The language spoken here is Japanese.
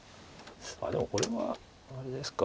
あっでもこれはあれですか。